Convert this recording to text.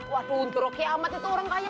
waduh rocky amat itu orang kaya